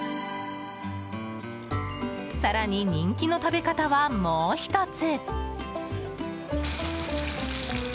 更に人気の食べ方はもう１つ。